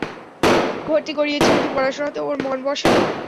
ভর্তি করিয়েছি, কিন্তু পড়াশোনাতে ওর মন বসে না।